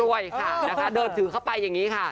ด้วยค่ะนะคะเดินถือเข้าไปอย่างนี้ค่ะ